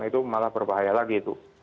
itu malah berbahaya lagi itu